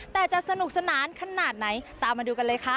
แต่จะสนุกสนานขนาดไหนตามมาดูกันเลยค่ะ